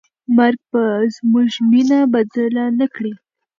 مرګ به زموږ مینه بدله نه کړي.